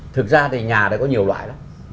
thực ra thì nhà này có nhiều loại